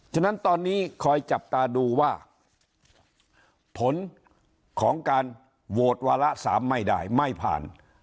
ฉะนั้นตอนนี้คอยจับตาดูว่าผลของการโหวตวาระ๓ไม่ได้ไม่ผ่าน